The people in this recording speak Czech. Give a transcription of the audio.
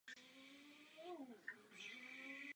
Armáda si svoji moc buduje na základě podpory Západu.